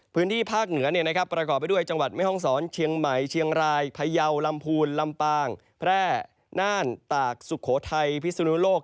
พื้นที่ภาคเหนือประกอบไปด้วยจังหวัดแม่ห้องศรเชียงใหม่เชียงรายพยาวลำพูนลำปางแพร่น่านตากสุโขทัยพิสุนุโลก